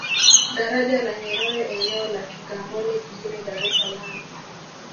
Daraja la Nyerere eneo la Kigamboni jijini Dar es salaam